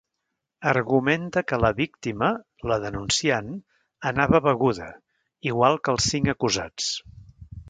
Argumenta que la víctima –la denunciant– anava beguda, igual que els cinc acusats.